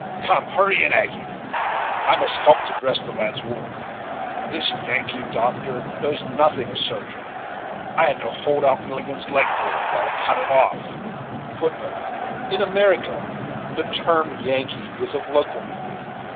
Come, hurry in, Aggy, I must help to dress the lad's wound; this Yankee* doctor knows nothing of surgery I had to hold out Milligan's leg for him, while he cut it off." * In America the term Yankee is of local meaning.